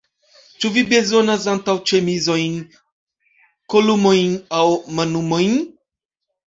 Ĉu vi bezonas antaŭĉemizojn, kolumojn aŭ manumojn?